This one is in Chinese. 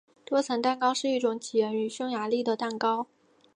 多层蛋糕是一种起源于匈牙利的蛋糕。